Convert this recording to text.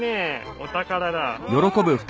お宝だ。